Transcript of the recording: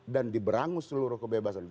dan diberangus seluruh kebebasan